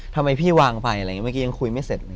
ทำไมพี่วางไปอะไรอย่างนี้เมื่อกี้ยังคุยไม่เสร็จเลย